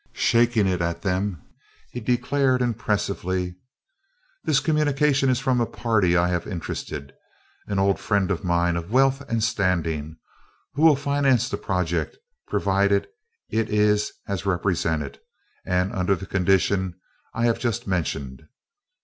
Shaking it at them, he declared impressively: "This communication is from a party I have interested an old friend of mine of wealth and standing, who will finance the project providing it is as represented, and under the condition I have just mentioned."